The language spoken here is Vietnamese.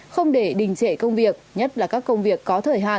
không để đình trễ công việc nhất là các công việc có thời hạn